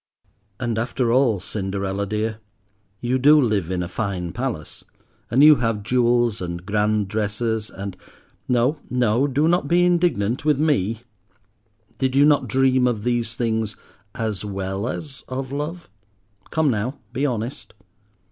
And after all, Cinderella dear, you do live in a fine palace, and you have jewels and grand dresses and—No, no, do not be indignant with me. Did not you dream of these things as well as of love? Come now, be honest.